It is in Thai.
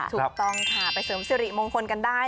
ถูกต้องค่ะไปเสริมสิริมงคลกันได้